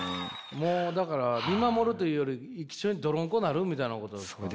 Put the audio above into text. もうだから見守るというより一緒にどろんこになるみたいなことですかね。